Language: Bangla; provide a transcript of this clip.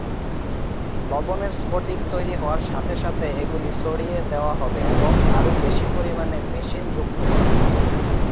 লবণের স্ফটিক তৈরি হওয়ার সাথে সাথে এগুলি ছড়িয়ে দেওয়া হবে এবং আরও বেশি পরিমাণে মেশিন যুক্ত করা হবে।